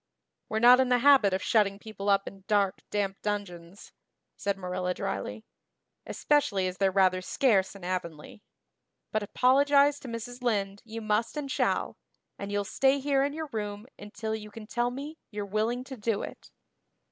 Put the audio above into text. "We're not in the habit of shutting people up in dark damp dungeons," said Marilla drily, "especially as they're rather scarce in Avonlea. But apologize to Mrs. Lynde you must and shall and you'll stay here in your room until you can tell me you're willing to do it."